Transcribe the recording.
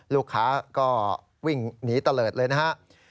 ลูกค้าก็วิ่งหนีเตลิดเลยนะฮะ